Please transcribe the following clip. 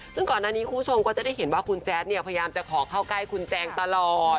ซึ่งก่อนหน้านี้คุณผู้ชมก็จะได้เห็นว่าคุณแจ๊ดเนี่ยพยายามจะขอเข้าใกล้คุณแจงตลอด